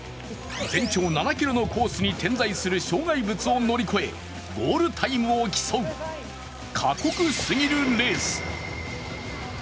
全長７ｋｍのコースに点在する障害物を乗り越え、ゴールタイムを競う、過酷すぎるレース。